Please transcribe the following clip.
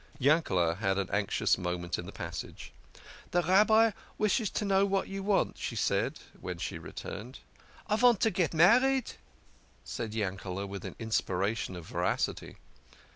Yankel had an anxious moment in the passage. "The Rabbi wishes to know what you want," she said when she returned. " I vant to get married," said Yankel with an inspiration of veracity.